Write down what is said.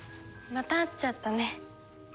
また会っちゃったね。